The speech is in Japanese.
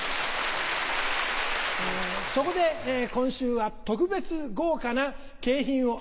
そこで今週は特別豪華な景品を。